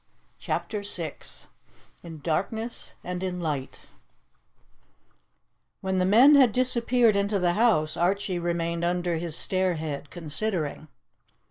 CHAPTER VI IN DARKNESS AND IN LIGHT WHEN the men had disappeared into the house, Archie remained under his stairhead considering.